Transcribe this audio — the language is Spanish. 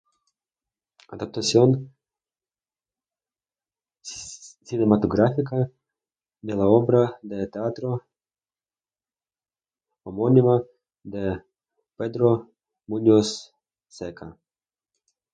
Adaptación cinematográfica de la obra de teatro homónima de Pedro Muñoz Seca.